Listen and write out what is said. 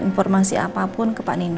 informasi apapun ke pak nina